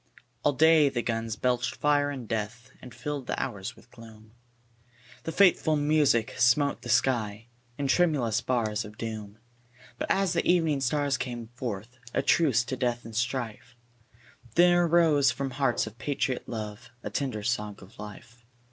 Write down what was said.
ALL day the guns belched fire and death And filled the hours with gloom; The fateful music smote the sky In tremulous bars of doom ; But as the evening stars came forth A truce to death and strife, There rose from hearts of patriot love A tender song of life.